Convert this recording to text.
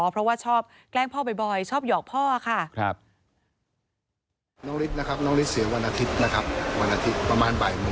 เพราะว่าชอบแกล้งพ่อบ่อยชอบหยอกพ่อค่ะ